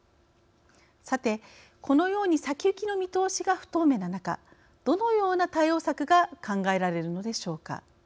さて、このように先行きの見通しが不透明な中どのような対応策が考えられるのでしょうか。